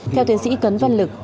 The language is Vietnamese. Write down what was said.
theo tiến sĩ cấn văn lực